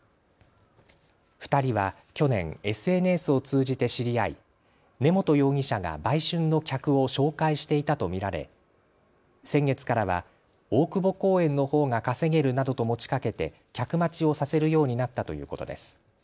２人は去年、ＳＮＳを通じて知り合い根本容疑者が売春の客を紹介していたと見られ先月からは大久保公園のほうが稼げるなどと持ちかけて客待ちをさせるようになったということです。